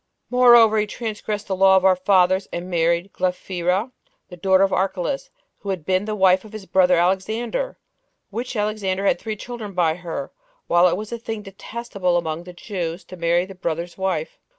Moreover, he transgressed the law of our fathers 23 and married Glaphyra, the daughter of Archelaus, who had been the wife of his brother Alexander, which Alexander had three children by her, while it was a thing detestable among the Jews to marry the brother's wife.